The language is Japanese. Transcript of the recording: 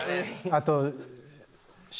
あと。